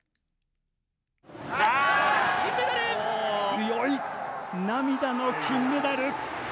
強い、涙の金メダル。